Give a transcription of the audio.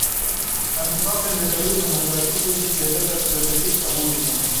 Em tifaqên netewî û demokratîk wekî siyaseta stratejîk qebûl dikin.